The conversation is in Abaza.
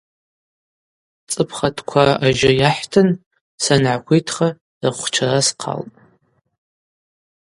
Цӏыпх атква ажьы йахӏтын – сангӏахвитха рахвхчара схъалтӏ.